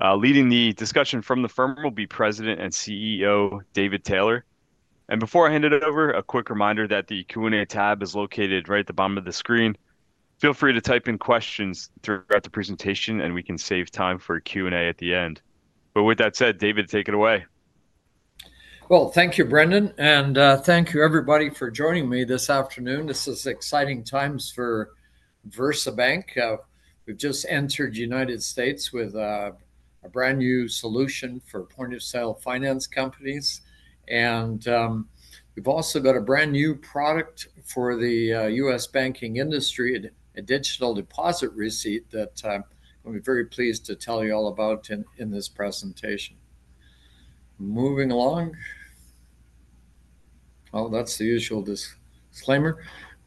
Leading the discussion from the firm will be President and CEO David Taylor. Before I hand it over, a quick reminder that the Q&A tab is located right at the bottom of the screen. Feel free to type in questions throughout the presentation, and we can save time for Q&A at the end. With that said, David, take it away. Thank you, Brendan, and thank you, everybody, for joining me this afternoon. This is exciting times for VersaBank. We have just entered the United States with a brand new solution for point-of-sale finance companies. We have also got a brand new product for the U.S. banking industry, a digital deposit receipt that I am very pleased to tell you all about in this presentation. Moving along. Oh, that is the usual disclaimer.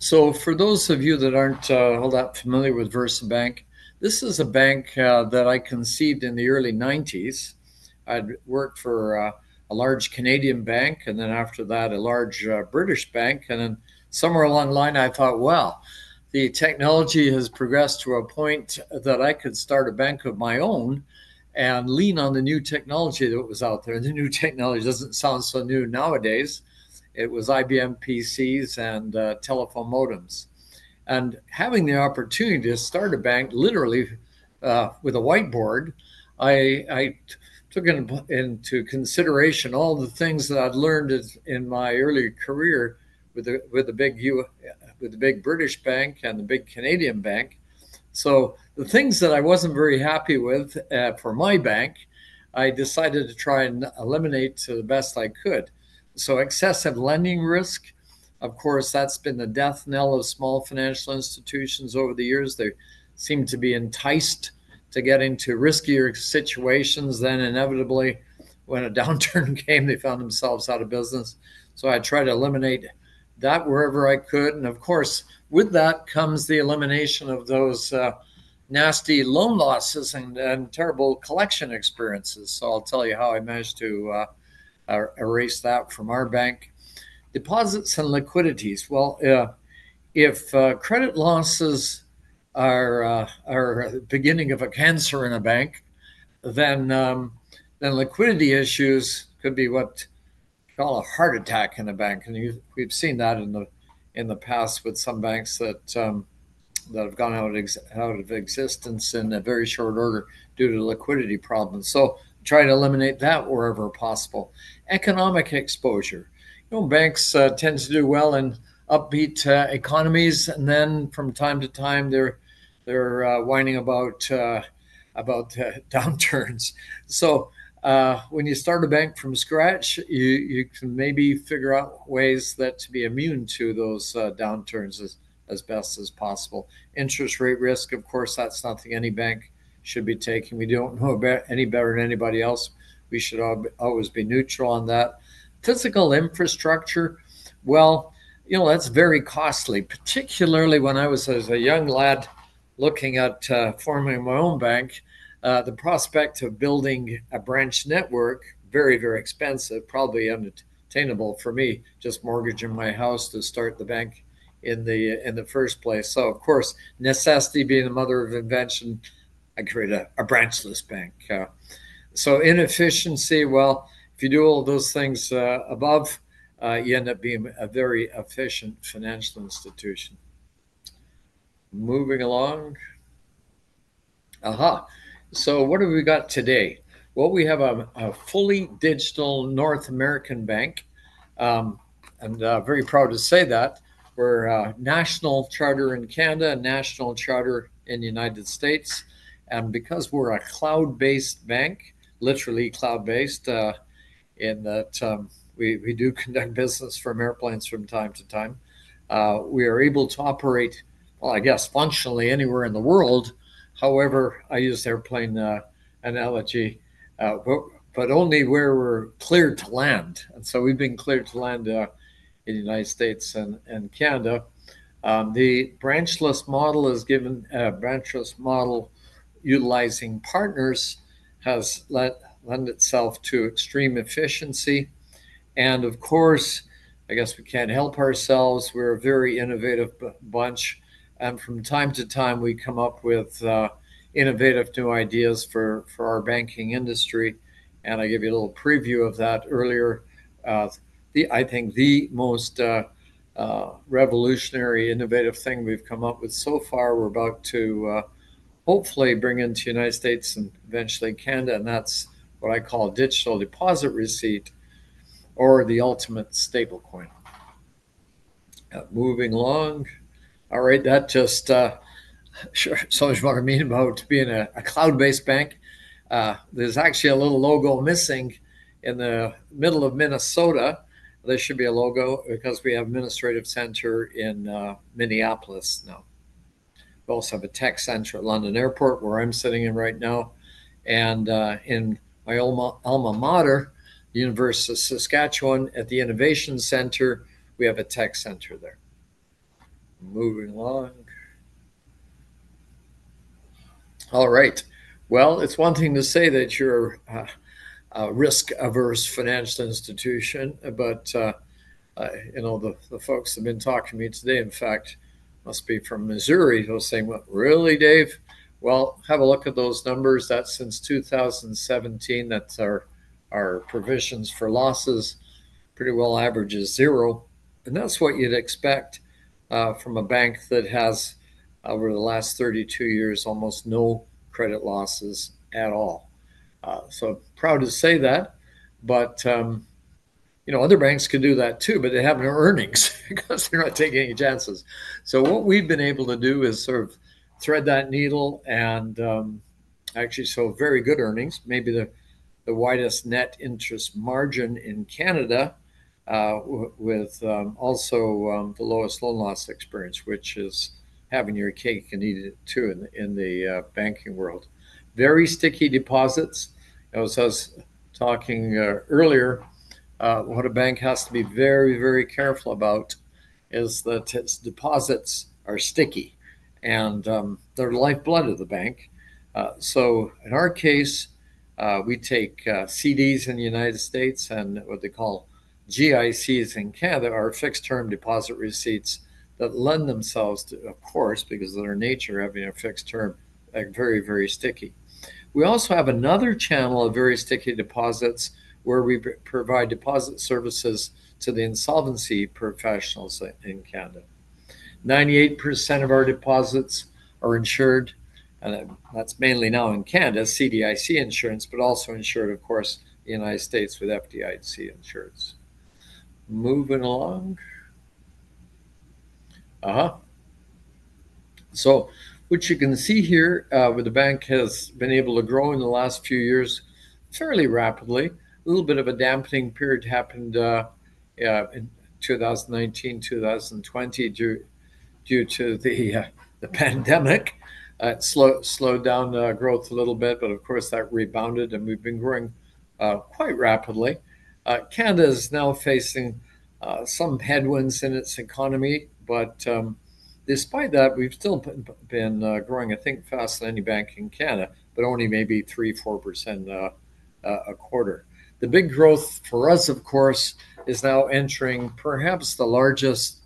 For those of you that are not all that familiar with VersaBank, this is a bank that I conceived in the early 1990s. I had worked for a large Canadian bank, and then after that, a large British bank. Somewhere along the line, I thought the technology has progressed to a point that I could start a bank of my own and lean on the new technology that was out there. The new technology does not sound so new nowadays. It was IBM PCs and telephone modems. Having the opportunity to start a bank, literally with a whiteboard, I took into consideration all the things that I had learned in my early career with the big British bank and the big Canadian bank. The things that I was not very happy with for my bank, I decided to try and eliminate to the best I could. Excessive lending risk, of course, has been the death knell of small financial institutions over the years. They seem to be enticed to get into riskier situations. Inevitably, when a downturn came, they found themselves out of business. I tried to eliminate that wherever I could. With that comes the elimination of those nasty loan losses and terrible collection experiences. I'll tell you how I managed to erase that from our bank. Deposits and liquidities. If credit losses are the beginning of a cancer in a bank, then liquidity issues could be what we call a heart attack in a bank. We've seen that in the past with some banks that have gone out of existence in a very short order due to liquidity problems. Try to eliminate that wherever possible. Economic exposure. Banks tend to do well in upbeat economies. From time to time, they're whining about downturns. When you start a bank from scratch, you can maybe figure out ways to be immune to those downturns as best as possible. Interest rate risk, of course, that's something any bank should be taking. We don't know any better than anybody else. We should always be neutral on that. Physical infrastructure. You know that's very costly, particularly when I was as a young lad looking at forming my own bank, the prospect of building a branch network, very, very expensive, probably unattainable for me, just mortgaging my house to start the bank in the first place. Of course, necessity being the mother of invention, I created a branchless bank. Inefficiency, well, if you do all those things above, you end up being a very efficient financial institution. Moving along. Aha. What have we got today? We have a fully digital North American bank. I'm very proud to say that. We're a national charter in Canada and national charter in the United States. Because we're a cloud-based bank, literally cloud-based, in that we do conduct business from airplanes from time to time, we are able to operate, I guess, functionally anywhere in the world. However, I use airplane analogy, but only where we're cleared to land. We've been cleared to land in the United States and Canada. The branchless model, a branchless model utilizing partners, has lent itself to extreme efficiency. Of course, I guess we can't help ourselves. We're a very innovative bunch, and from time to time, we come up with innovative new ideas for our banking industry. I gave you a little preview of that earlier. I think the most revolutionary, innovative thing we've come up with so far, we're about to hopefully bring into the United States and eventually Canada. That's what I call a digital deposit receipt or the ultimate stablecoin. Moving along. All right. That just shows what I mean about being a cloud-based bank. There's actually a little logo missing in the middle of Minnesota. There should be a logo because we have an administrative center in Minneapolis now. We also have a tech center at London Airport, where I'm sitting in right now. And in my alma mater, the University of Saskatchewan, at the Innovation Center, we have a tech center there. Moving along. All right. It is one thing to say that you're a risk-averse financial institution. The folks who have been talking to me today, in fact, must be from Missouri. They're saying, "What really, Dave?" Have a look at those numbers. That is since 2017. That is our provisions for losses. Pretty well averages zero. That is what you'd expect from a bank that has over the last 32 years almost no credit losses at all. So proud to say that. Other banks could do that too, but they have no earnings because they're not taking any chances. What we have been able to do is sort of thread that needle and actually show very good earnings, maybe the widest net interest margin in Canada with also the lowest loan loss experience, which is having your cake and eating it too in the banking world. Very sticky deposits. I was talking earlier. What a bank has to be very, very careful about is that its deposits are sticky. They are the lifeblood of the bank. In our case, we take CDs in the United States and what they call GICs in Canada, our fixed-term deposit receipts that lend themselves to, of course, because of their nature, having a fixed term, very, very sticky. We also have another channel of very sticky deposits where we provide deposit services to the insolvency professionals in Canada. 98% of our deposits are insured. That is mainly now in Canada, CDIC insurance, but also insured, of course, in the United States with FDIC insurance. Moving along. Aha. What you can see here is the bank has been able to grow in the last few years fairly rapidly. A little bit of a dampening period happened in 2019, 2020 due to the pandemic. It slowed down growth a little bit, but of course, that rebounded. We have been growing quite rapidly. Canada is now facing some headwinds in its economy. Despite that, we have still been growing, I think, faster than any bank in Canada, but only maybe 3%, 4% a quarter. The big growth for us, of course, is now entering perhaps the largest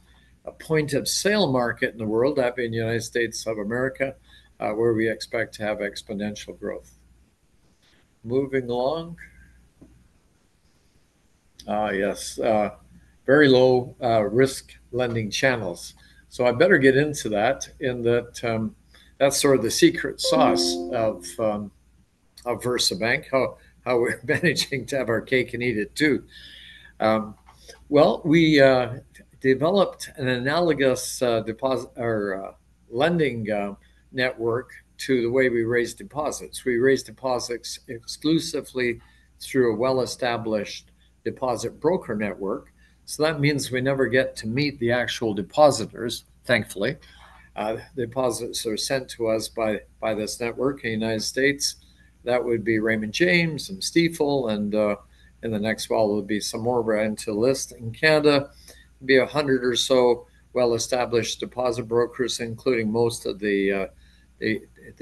point-of-sale market in the world, that being the United States of America, where we expect to have exponential growth. Moving along. Yes. Very low-risk lending channels. I better get into that, in that that's sort of the secret sauce of VersaBank, how we're managing to have our cake and eat it too. We developed an analogous lending network to the way we raise deposits. We raise deposits exclusively through a well-established deposit broker network. That means we never get to meet the actual depositors, thankfully. Deposits are sent to us by this network in the United States. That would be Raymond James and Stifel. In the next while, there will be some more of our interlist in Canada. It would be 100 or so well-established deposit brokers, including most of the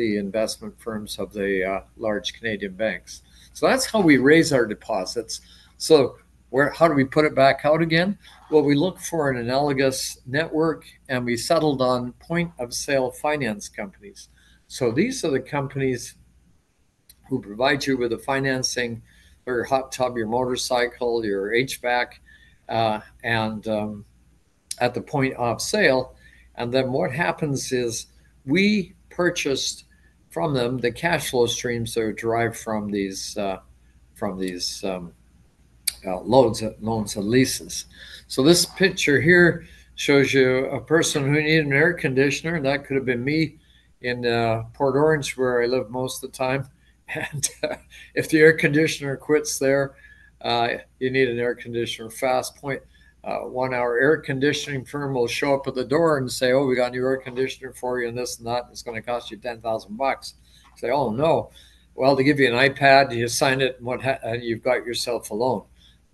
investment firms of the large Canadian banks. That's how we raise our deposits. How do we put it back out again? We look for an analogous network, and we settled on point-of-sale finance companies. These are the companies who provide you with the financing, your hot tub, your motorcycle, your HVAC, at the point of sale. What happens is we purchase from them the cash flow streams that are derived from these loans and leases. This picture here shows you a person who needed an air conditioner. That could have been me in Port Orange, where I live most of the time. If the air conditioner quits there, you need an air conditioner fast. One-hour air conditioning firm will show up at the door and say, "Oh, we got a new air conditioner for you and this and that. It's going to cost you $10,000." "Oh, no." To give you an iPad, you sign it, and you've got yourself a loan.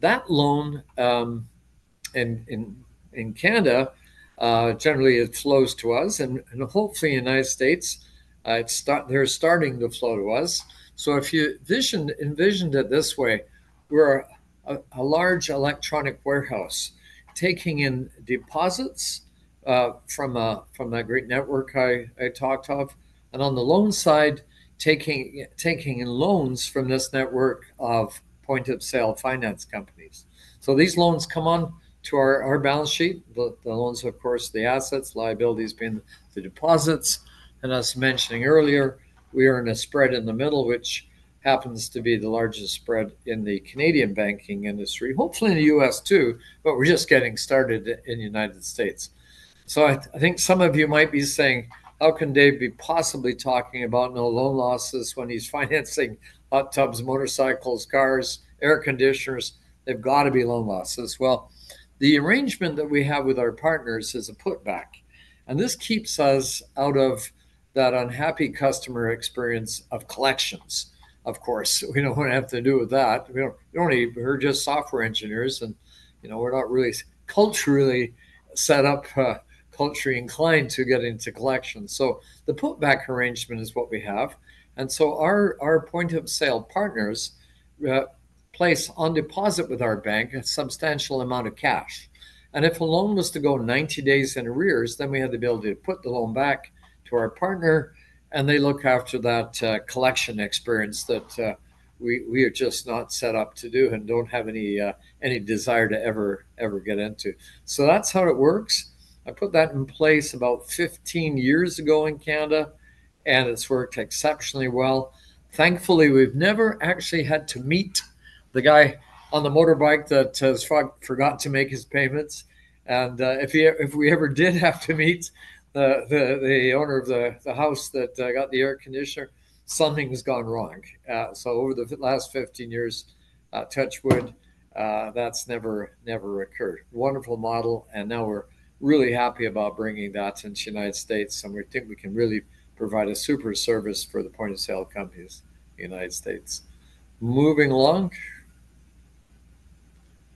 That loan in Canada, generally, it flows to us. Hopefully, in the United States, they're starting to flow to us. If you envisioned it this way, we're a large electronic warehouse taking in deposits from that great network I talked of. On the loan side, taking in loans from this network of point-of-sale finance companies. These loans come on to our balance sheet, the loans, of course, the assets, liabilities being the deposits. As mentioned earlier, we are in a spread in the middle, which happens to be the largest spread in the Canadian banking industry. Hopefully, in the U.S. too, but we're just getting started in the United States. I think some of you might be saying, "How can Dave be possibly talking about no loan losses when he's financing hot tubs, motorcycles, cars, air conditioners? have got to be loan losses. The arrangement that we have with our partners is a putback. This keeps us out of that unhappy customer experience of collections, of course. We do not have to deal with that. We do not even hear, just software engineers. We are not really culturally set up, culturally inclined to get into collections. The putback arrangement is what we have. Our point-of-sale partners place on deposit with our bank a substantial amount of cash. If a loan was to go 90 days in arrears, then we had the ability to put the loan back to our partner. They look after that collection experience that we are just not set up to do and do not have any desire to ever get into. That is how it works. I put that in place about 15 years ago in Canada, and it's worked exceptionally well. Thankfully, we've never actually had to meet the guy on the motorbike that has forgotten to make his payments. If we ever did have to meet the owner of the house that got the air conditioner, something's gone wrong. Over the last 15 years, touch wood, that's never occurred. Wonderful model. Now we're really happy about bringing that into the United States. We think we can really provide a super service for the point-of-sale companies in the United States. Moving along.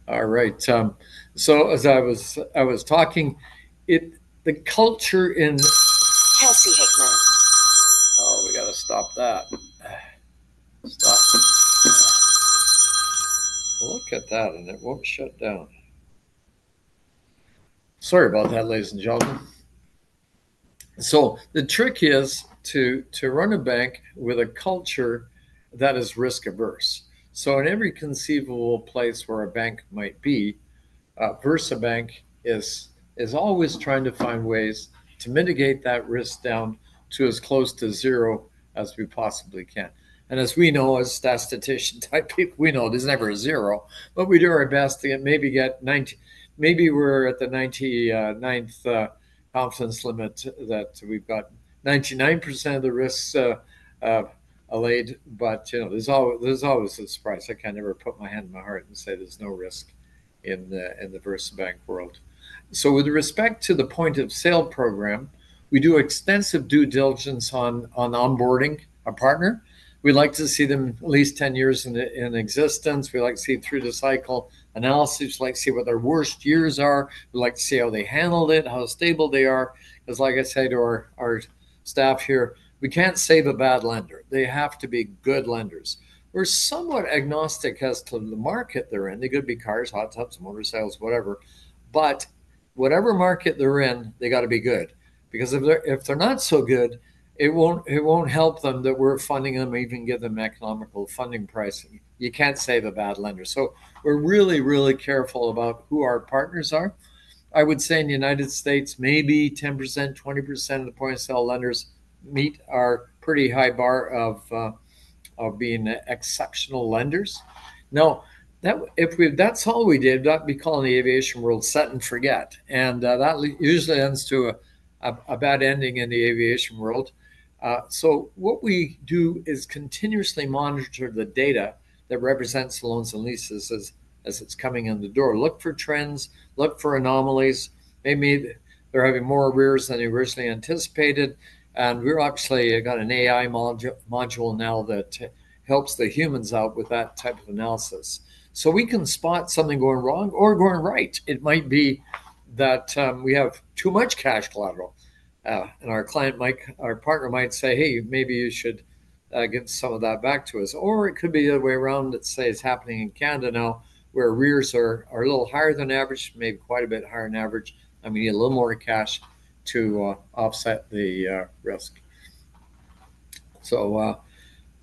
All right. As I was talking, the culture in Kelsey Hickman. Oh, we got to stop that. Stop. Look at that, and it won't shut down. Sorry about that, ladies and gentlemen. The trick is to run a bank with a culture that is risk-averse. In every conceivable place where a bank might be, VersaBank is always trying to find ways to mitigate that risk down to as close to zero as we possibly can. As we know, as statistician-type people, we know it is never a zero, but we do our best to maybe get 90. Maybe we are at the 99th confidence limit that we have. 99% of the risks allayed. There is always a surprise. I cannot ever put my hand on my heart and say there is no risk in the VersaBank world. With respect to the point-of-sale program, we do extensive due diligence on onboarding a partner. We would like to see them at least 10 years in existence. We would like to see through the cycle analysis. We would like to see what their worst years are. We would like to see how they handled it, how stable they are. Because like I said to our staff here, we can't save a bad lender. They have to be good lenders. We're somewhat agnostic as to the market they're in. They could be cars, hot tubs, motorcycles, whatever. But whatever market they're in, they got to be good. Because if they're not so good, it won't help them that we're funding them or even give them economical funding pricing. You can't save a bad lender. So we're really, really careful about who our partners are. I would say in the United States, maybe 10%, 20% of the point-of-sale lenders meet our pretty high bar of being exceptional lenders. Now, if that's all we did, that'd be calling the aviation world set and forget. And that usually ends to a bad ending in the aviation world. What we do is continuously monitor the data that represents loans and leases as it is coming in the door. Look for trends. Look for anomalies. Maybe they are having more arrears than they originally anticipated. We have actually got an AI module now that helps the humans out with that type of analysis. We can spot something going wrong or going right. It might be that we have too much cash collateral, and our client might, our partner might say, "Hey, maybe you should give some of that back to us." Or it could be the other way around. Let's say it is happening in Canada now, where arrears are a little higher than average, maybe quite a bit higher than average. I mean, you need a little more cash to offset the risk. There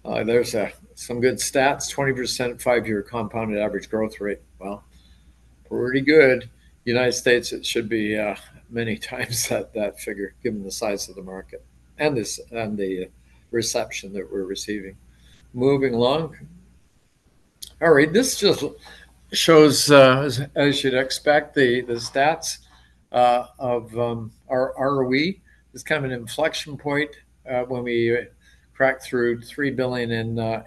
are some good stats. 20% five-year compounded average growth rate. Pretty good. United States, it should be many times that figure, given the size of the market and the reception that we're receiving. Moving along. All right. This just shows, as you'd expect, the stats of our ROE. It's kind of an inflection point. When we crack through $3 billion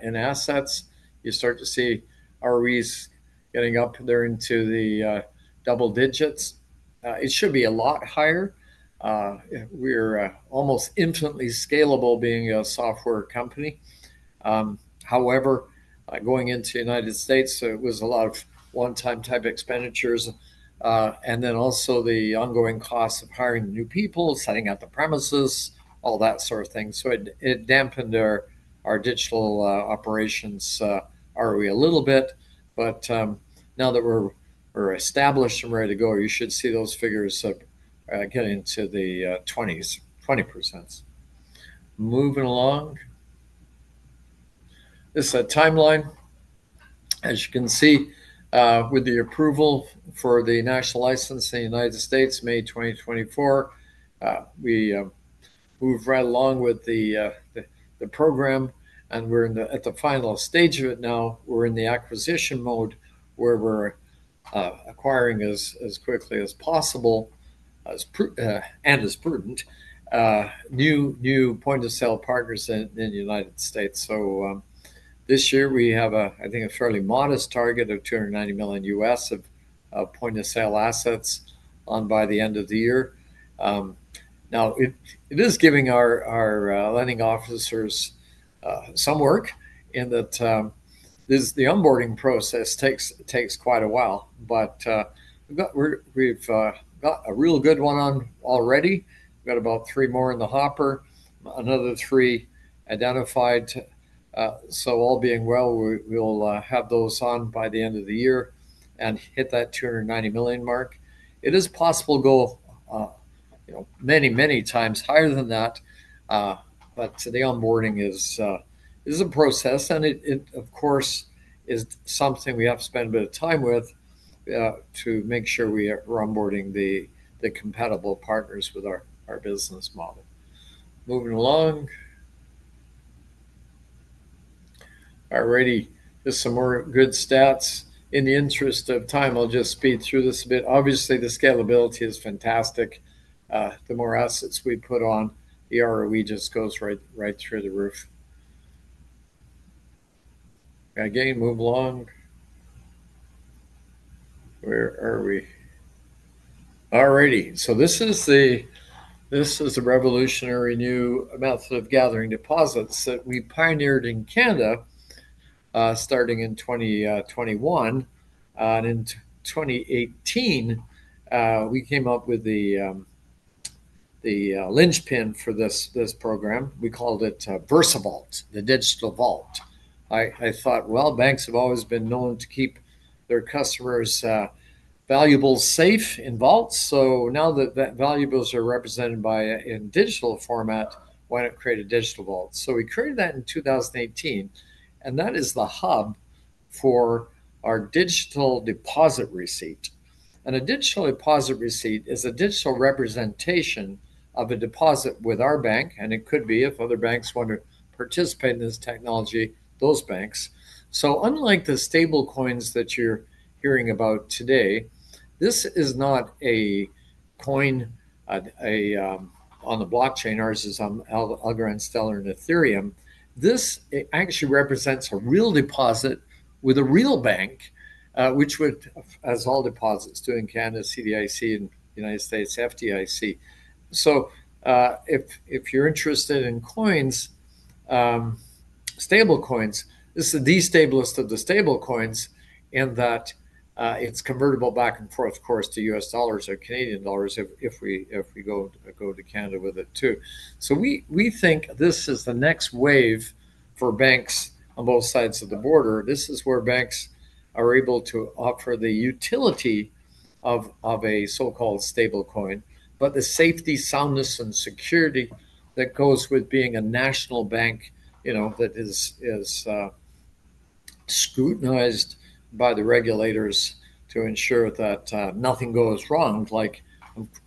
in assets, you start to see ROEs getting up there into the double digits. It should be a lot higher. We're almost infinitely scalable being a software company. However, going into the United States, it was a lot of one-time type expenditures. Also, the ongoing costs of hiring new people, setting up the premises, all that sort of thing. It dampened our digital operations ROE a little bit. Now that we're established and ready to go, you should see those figures getting to the 20s, 20%. Moving along. This is a timeline. As you can see, with the approval for the national license in the United States, May 2024, we've run along with the program. We're at the final stage of it now. We're in the acquisition mode where we're acquiring as quickly as possible and as prudent new point-of-sale partners in the United States. This year, we have, I think, a fairly modest target of $290 million of point-of-sale assets on by the end of the year. It is giving our lending officers some work in that the onboarding process takes quite a while. We've got a real good one on already. We've got about three more in the hopper, another three identified. All being well, we'll have those on by the end of the year and hit that $290 million mark. It is possible to go many, many times higher than that. The onboarding is a process. It, of course, is something we have to spend a bit of time with to make sure we're onboarding the compatible partners with our business model. Moving along. All righty. There are some more good stats. In the interest of time, I'll just speed through this a bit. Obviously, the scalability is fantastic. The more assets we put on, the ROE just goes right through the roof. Again, move along. Where are we? All righty. This is the revolutionary new method of gathering deposits that we pioneered in Canada starting in 2021. In 2018, we came up with the linchpin for this program. We called it VersaVault, the digital vault. I thought, banks have always been known to keep their customers' valuables safe in vaults. Now that valuables are represented in digital format, why not create a digital vault? We created that in 2018. That is the hub for our digital deposit receipt. A digital deposit receipt is a digital representation of a deposit with our bank. It could be, if other banks want to participate in this technology, those banks. Unlike the stablecoins that you are hearing about today, this is not a coin on the blockchain. Ours is on Algorand, Stellar, and Ethereum. This actually represents a real deposit with a real bank, which would, as all deposits do in Canada, CDIC, and United States FDIC. If you are interested in coins, stablecoins, this is the destabilist of the stablecoins in that it is convertible back and forth, of course, to U.S. dollars or Canadian dollars if we go to Canada with it too. We think this is the next wave for banks on both sides of the border. This is where banks are able to offer the utility of a so-called stablecoin, but the safety, soundness, and security that goes with being a national bank that is scrutinized by the regulators to ensure that nothing goes wrong, like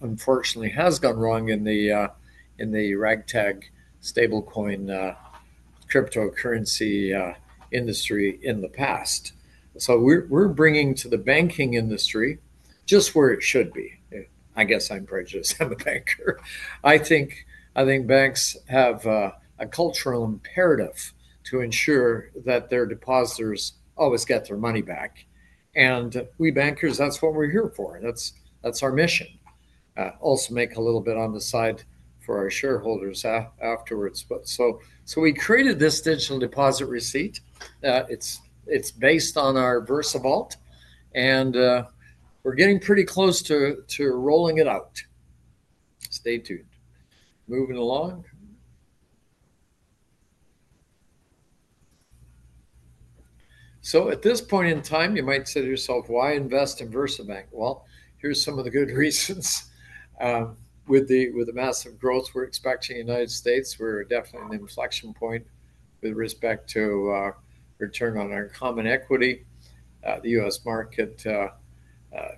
unfortunately has gone wrong in the ragtag stablecoin cryptocurrency industry in the past. We are bringing to the banking industry just where it should be. I guess I'm prejudiced as a banker. I think banks have a cultural imperative to ensure that their depositors always get their money back. And we bankers, that's what we're here for. That's our mission. Also make a little bit on the side for our shareholders afterwards. We created this digital deposit receipt. It's based on our VersaVault. We are getting pretty close to rolling it out. Stay tuned. Moving along. At this point in time, you might say to yourself, "Why invest in VersaBank?" Here are some of the good reasons. With the massive growth we're expecting in the United States, we're definitely in the inflection point with respect to return on our common equity. The U.S. market may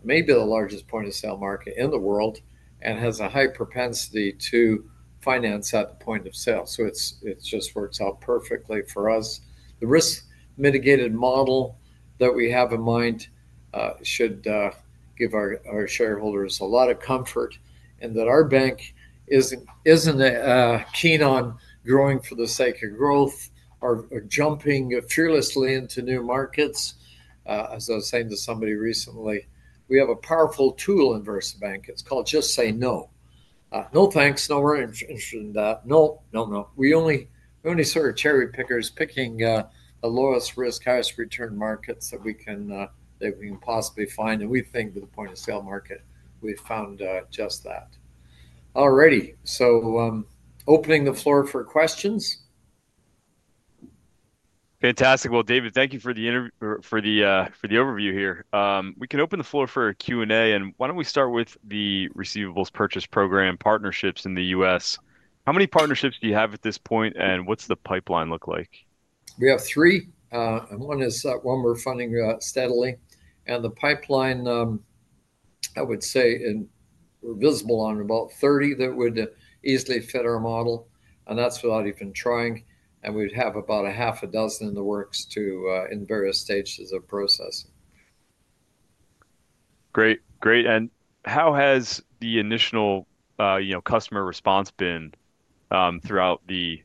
be the largest point-of-sale market in the world and has a high propensity to finance at the point of sale. It just works out perfectly for us. The risk-mitigated model that we have in mind should give our shareholders a lot of comfort in that our bank isn't keen on growing for the sake of growth or jumping fearlessly into new markets. As I was saying to somebody recently, we have a powerful tool in VersaBank. It's called just say no. No thanks. No, we're not interested in that. No, no, no. We only sort of cherry pickers, picking the lowest risk, highest return markets that we can possibly find. We think that the point-of-sale market, we've found just that. All righty. Opening the floor for questions. Fantastic. David, thank you for the overview here. We can open the floor for a Q&A. Why don't we start with the receivable purchase program partnerships in the U.S.? How many partnerships do you have at this point? What's the pipeline look like? We have three. One we're funding steadily. The pipeline, I would say, we're visible on about 30 that would easily fit our model. That's without even trying. We'd have about half a dozen in the works in various stages of processing. Great. Great. How has the initial customer response been throughout the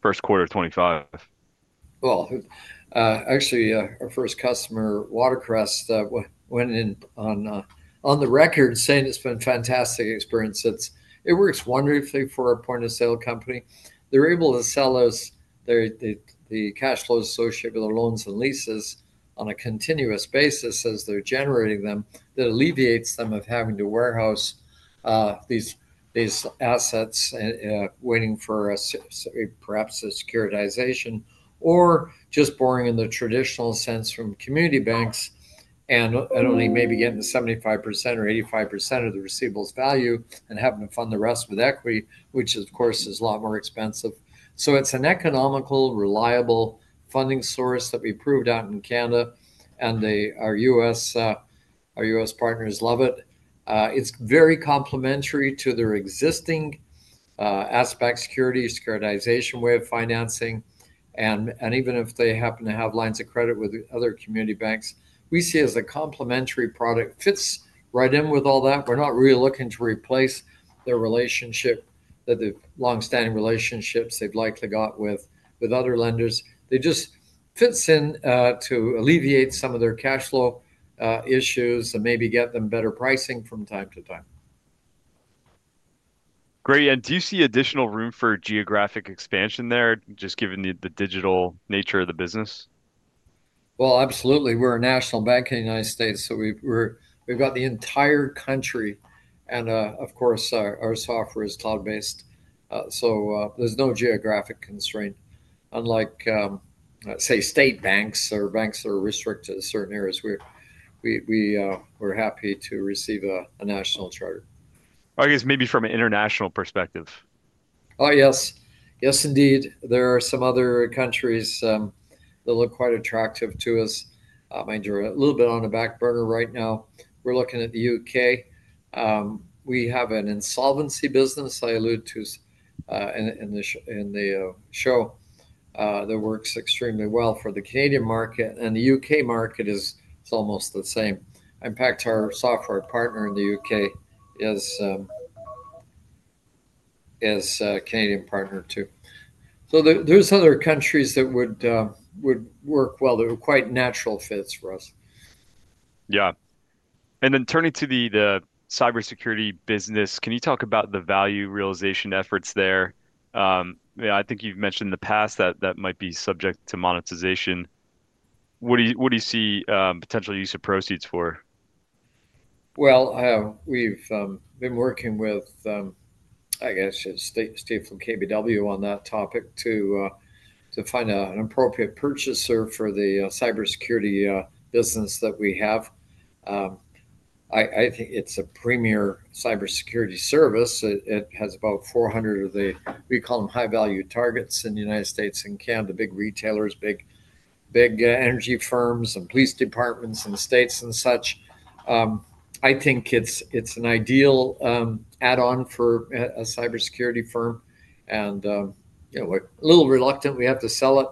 first quarter of 2025? Our first customer, Watercress, went in on the record saying it's been a fantastic experience. It works wonderfully for our point-of-sale company. They're able to sell us the cash flows associated with our loans and leases on a continuous basis as they're generating them. That alleviates them of having to warehouse these assets waiting for perhaps a securitization or just borrowing in the traditional sense from community banks and only maybe getting 75% or 85% of the receivables value and having to fund the rest with equity, which, of course, is a lot more expensive. It's an economical, reliable funding source that we proved out in Canada. Our U.S. partners love it. It's very complementary to their existing asset securitization way of financing. Even if they happen to have lines of credit with other community banks, we see as a complementary product fits right in with all that. We're not really looking to replace their relationship, the long-standing relationships they've likely got with other lenders. It just fits in to alleviate some of their cash flow issues and maybe get them better pricing from time to time. Great. Do you see additional room for geographic expansion there, just given the digital nature of the business? Absolutely. We're a national bank in the United States. We have the entire country. Of course, our software is cloud-based. There's no geographic constraint, unlike, say, state banks or banks that are restricted to certain areas. We're happy to receive a national charter. I guess maybe from an international perspective. Oh, yes. Yes, indeed. There are some other countries that look quite attractive to us. Mind you, we're a little bit on the back burner right now. We're looking at the U.K. We have an insolvency business I alluded to in the show that works extremely well for the Canadian market. And the U.K. market is almost the same. In fact, our software partner in the U.K. is a Canadian partner too. So there are other countries that would work well that are quite natural fits for us. Yeah. And then turning to the cybersecurity business, can you talk about the value realization efforts there? I think you've mentioned in the past that that might be subject to monetization. What do you see potential use of proceeds for? We've been working with, I guess, a stake from KBW on that topic to find an appropriate purchaser for the cybersecurity business that we have. I think it's a premier cybersecurity service. It has about 400 of the, we call them high-value targets in the United States and Canada, big retailers, big energy firms, and police departments and states and such. I think it's an ideal add-on for a cybersecurity firm. A little reluctant, we have to sell it.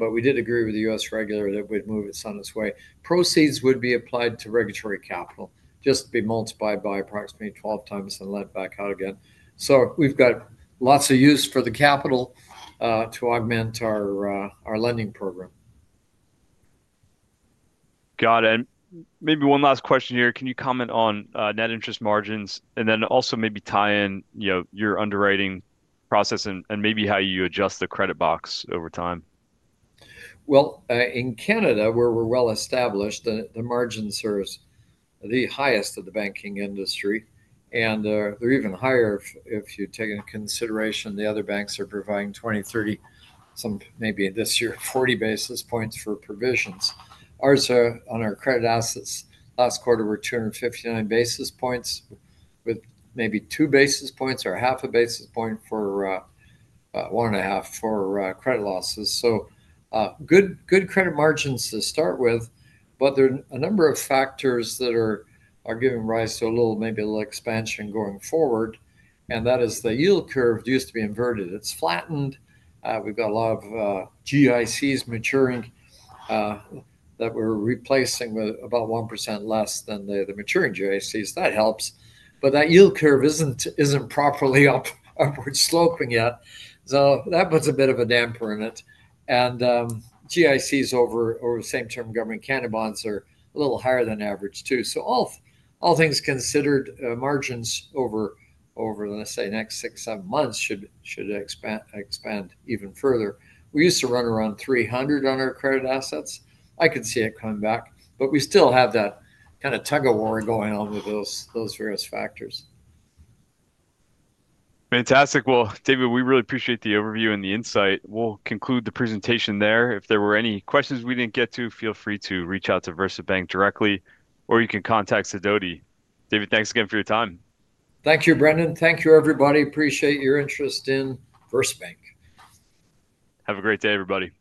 We did agree with the U.S. regulator that we'd move it on its way. Proceeds would be applied to regulatory capital, just to be multiplied by approximately 12x and let back out again. We've got lots of use for the capital to augment our lending program. Got it. Maybe one last question here. Can you comment on net interest margins? Also maybe tie in your underwriting process and maybe how you adjust the credit box over time. In Canada, where we are well established, the margins are the highest of the banking industry. They are even higher if you take into consideration the other banks are providing 20, 30, some maybe this year 40 basis points for provisions. Ours, on our credit assets, last quarter were 259 basis points with maybe two basis points or half a basis point for one and a half for credit losses. Good credit margins to start with. There are a number of factors that are giving rise to a little, maybe a little expansion going forward. That is the yield curve used to be inverted. It is flattened. We have a lot of GICs maturing that we are replacing with about 1% less than the maturing GICs. That helps. That yield curve is not properly upward sloping yet. That puts a bit of a damper in it. GICs over the same-term government Canada bonds are a little higher than average too. All things considered, margins over, let's say, the next six-seven months should expand even further. We used to run around 300 on our credit assets. I could see it coming back. We still have that kind of tug-of-war going on with those various factors. Fantastic. David, we really appreciate the overview and the insight. We'll conclude the presentation there. If there were any questions we did not get to, feel free to reach out to VersaBank directly. You can contact Sadody. David, thanks again for your time. Thank you, Brendan. Thank you, everybody. Appreciate your interest in VersaBank. Have a great day, everybody.